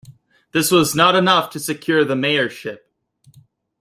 This was not enough to secure the mayorship.